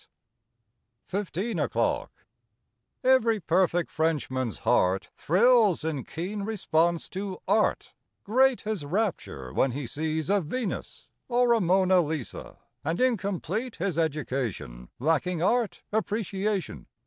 33 . I A FOURTEEN O'CLOCK 35 FIFTEEN O'CLOCK E very perfect Frenchman's heart Thrills in keen response to Art. Great his rapture when he sees a Venus or a Mona Lisa; And incomplete his education Lacking Art Appreciation.